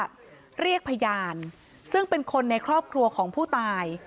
เขาเป็นผู้พยานซึ่งเป็นคนในครอบครัวของผู้ตาย